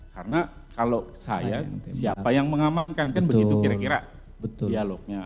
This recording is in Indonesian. karena kalau saya siapa yang mengamalkan kan begitu kira kira dialognya